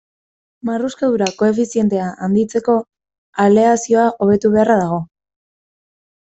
Marruskadura koefizientea handitzeko aleazioa hobetu beharra dago.